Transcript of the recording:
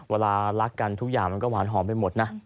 เวลารักกันทุกอย่างมันก็หวานหอมไปหมดนะ